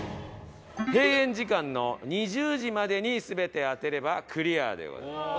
閉園時間の２０時までに全て当てればクリアでございます。